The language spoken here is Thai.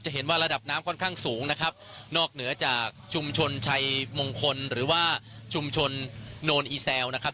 เห็นว่าระดับน้ำค่อนข้างสูงนะครับนอกเหนือจากชุมชนชัยมงคลหรือว่าชุมชนโนนอีแซวนะครับ